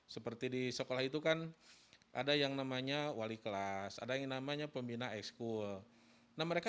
seperti di sekolah itu kan ada yang namanya wali kelas ada yang namanya pembina ekskul nah mereka